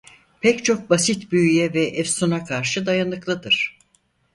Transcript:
Pek çok basit büyüye ve efsuna karşı dayanıklıdır.